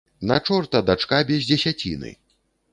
На чорта дачка без дзесяціны!